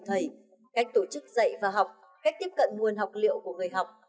thầy cách tổ chức dạy và học cách tiếp cận nguồn học liệu của người học